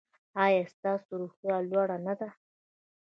ایا ستاسو روحیه لوړه نه ده؟